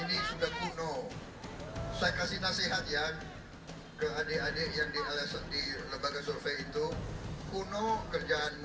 ini sudah kuno saya kasih nasihat ya ke adik adik yang di asn di lembaga survei itu kuno kerjaanmu